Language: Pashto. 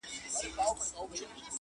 د تازه هوا مصرف یې ورښکاره کړ-